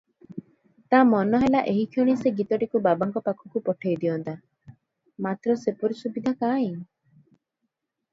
ତା ମନ ହେଲା ଏହିକ୍ଷଣି ସେ ଗୀତଟିକୁ ବାବାଙ୍କ ପାଖକୁ ପଠେଇ ଦିଅନ୍ତା- ମାତ୍ର ସେପରି ସୁବିଧା କାଇଁ?